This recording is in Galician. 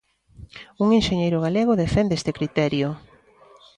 Un enxeñeiro galego defende este criterio.